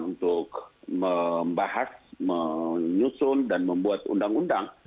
untuk membahas menyusun dan membuat undang undang